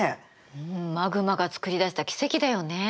うんマグマがつくりだした奇跡だよね。